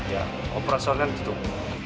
ya operasinya tutup